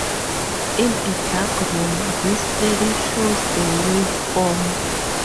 In a dark room, this clearly shows the waveform.